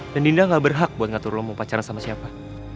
dan dinda gak berhak buat ngatur lo mau pacaran sama siapa